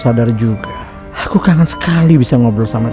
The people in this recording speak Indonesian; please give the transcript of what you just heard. semoga gak akan lama lagi rifqi bisa sadar